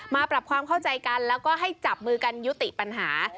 ปรับความเข้าใจกันแล้วก็ให้จับมือกันยุติปัญหา